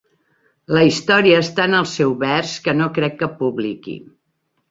La història està en el seu vers que no crec que publiqui.